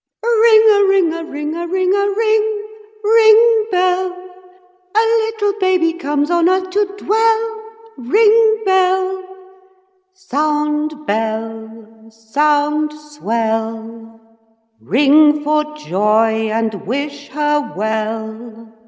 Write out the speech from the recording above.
Ring a ring a ring a ring a ring! Ring, bell! A little baby comes on earth to dwell. Ring, bell! Sound, bell! Sound! Swell! Ring for joy and wish her well!